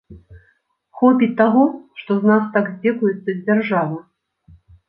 Хопіць таго, што з нас так здзекуецца дзяржава.